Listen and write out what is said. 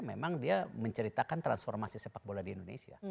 memang dia menceritakan transformasi sepak bola di indonesia